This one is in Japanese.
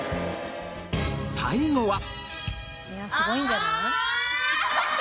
最後は。